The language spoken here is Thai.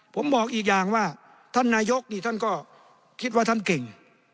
ผมบอกอีกอย่างว่าท่านนายกนี่ท่านก็คิดว่าท่านเก่ง